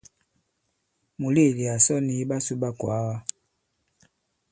Mùleèdi à sɔ nì iɓasū ɓa ikwàaga.